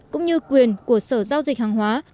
cũng như quyền của sở giao dịch hàng hóa